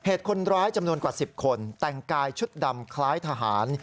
คนร้ายจำนวนกว่า๑๐คนแต่งกายชุดดำคล้ายทหาร